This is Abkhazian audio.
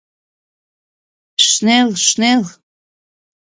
Шнел, шнел!